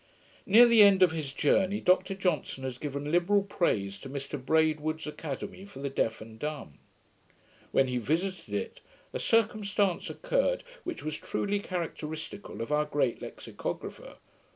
] Near the end of his Journey, Dr Johnson has given liberal praise to Mr Braidwood's academy for the deaf and dumb. When he visited it, a circumstance occurred which was truly characteristical of our great lexicographer.